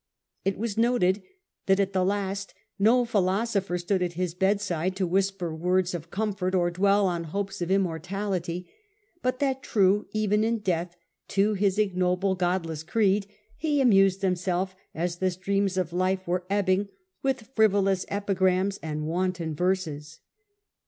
It was noted that at the last no philo sopher stood at his bedside to whisper words and died of comfort or dwell on hopes of immortality, [ndiffer. but that true, even in death, to his ignoble, e^ce. godless creed, he amused himself as the streams of life were ebbing with frivolous epigrams and wanton verses.